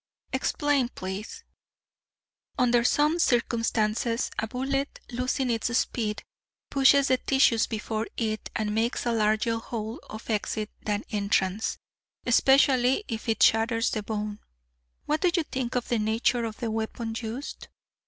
"Explain, please." "Under some circumstances a bullet losing its speed pushes the tissues before it and makes a larger hole of exit than entrance, especially if it shatters the bone." "What do you think of the nature of the weapon used?"